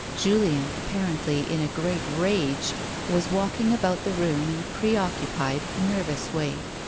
Julien, apparently in a great rage, was walking about the room in a preoccupied, nervous way.